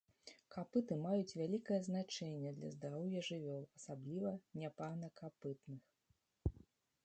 Капыты маюць вялікае значэнне для здароўя жывёл, асабліва няпарнакапытных.